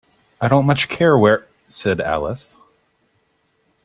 ‘I don’t much care where—’ said Alice.